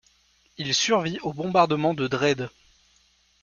Il survit au bombardement de Dresde.